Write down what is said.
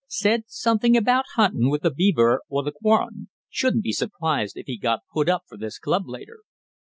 "Said somethin' about huntin' with the Belvoir or the Quorn. Shouldn't be surprised if he got put up for this club later."